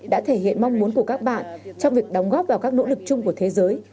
đã thể hiện mong muốn của các bạn trong việc đóng góp vào các nỗ lực chung của thế giới